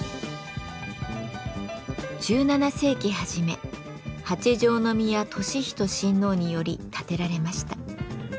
１７世紀初め八条宮智仁親王により建てられました。